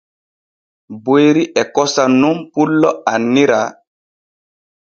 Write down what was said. Boyri e kosam nun pullo anniara.